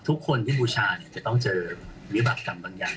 ทุกคนที่บูชาจะต้องเจอวิบากรรมบางอย่าง